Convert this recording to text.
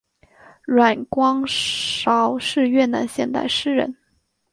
阮光韶是越南现代诗人。